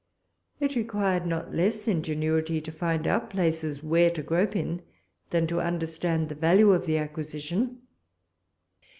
It required not less ingenuity to find out places where to grope in, than to understand the value of the acquisition.